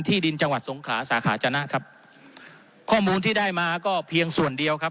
ดินจังหวัดสงขลาสาขาจนะครับข้อมูลที่ได้มาก็เพียงส่วนเดียวครับ